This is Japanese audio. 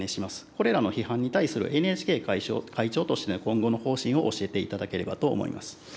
これらの批判に対するＮＨＫ会長としての今後の方針を教えていただければと思います。